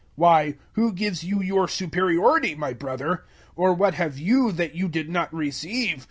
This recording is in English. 004:007 Why, who gives you your superiority, my brother? Or what have you that you did not receive?